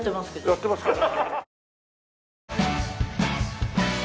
やってますか？